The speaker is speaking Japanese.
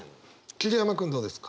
桐山君どうですか。